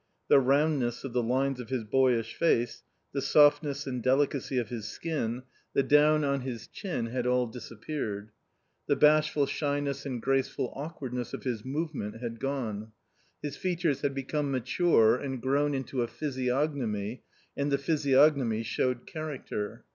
The roundness of the lines of his boyish face, the softness and delicacy of his skin, the down on his A COMMON STORY 63 chin had all disappeared. The bashful shyness and graceful awkwardness of his movement had gone. His features had become mature and grown into a physiognomy and the physiognomy showed character.